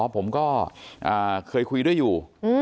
ผมก็เคยคุยด้วยอยู่